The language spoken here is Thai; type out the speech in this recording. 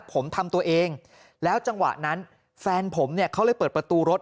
ผมทำตัวเองแล้วจังหวะนั้นแฟนผมเนี่ยเขาเลยเปิดประตูรถ